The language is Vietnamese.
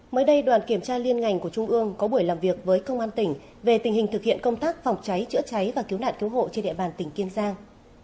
mới đây đoàn kiểm tra liên ngành của trung ương có buổi làm việc với công an tỉnh về tình hình thực hiện công tác phòng cháy chữa cháy và cứu nạn cứu hộ trên địa bàn tỉnh kiên giang